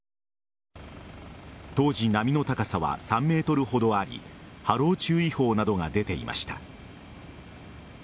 当時、波の高さは３ｍほどあり波浪注意報などが出ていました。